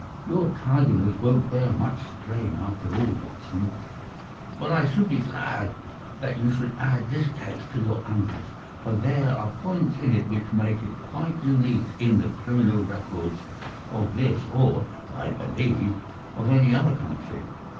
"Your tidiness won't bear much strain after all, Watson. But I should be glad that you should add this case to your annals, for there are points in it which make it quite unique in the criminal records of this or, I believe, of any other country.